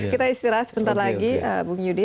kita istirahat sebentar lagi bung yudi